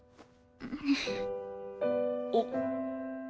あっ。